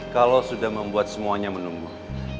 kalau sudah membuat semuanya menunggu